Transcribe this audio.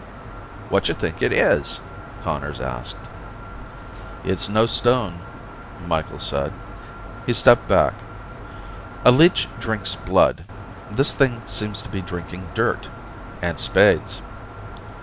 "Whatcha think it is?" Conners asked. "It's no stone," Micheals said. He stepped back. "A leech drinks blood. This thing seems to be drinking dirt. And spades."